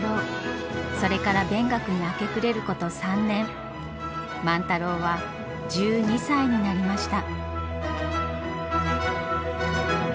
それから勉学に明け暮れること３年万太郎は１２歳になりました。